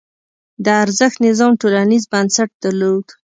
د ارزښت نظام ټولنیز بنسټ درلود.